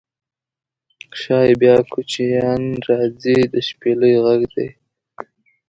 شایي بیا کوچیان راځي د شپیلۍ غږدی